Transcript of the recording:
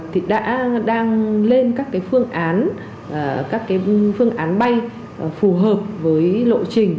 thì đã đang lên các cái phương án các cái phương án bay phù hợp với lộ trình